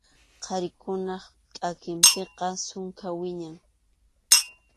Qharikunap kʼakinpiqa sunkham wiñan.